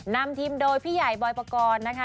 นำทีมโดยพี่ใหญ่บอยปกรณ์นะคะ